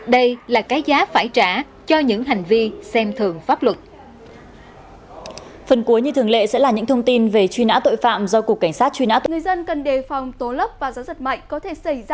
đây là cái giá phải trả cho những hành vi xem thường pháp luật